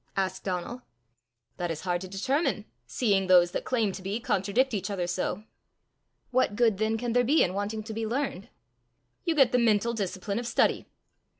asked Donal. "That is hard to determine, seeing those that claim to be contradict each other so." "What good then can there be in wanting to be learned?" "You get the mental discipline of study."